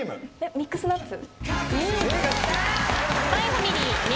『ミックスナッツ』正解！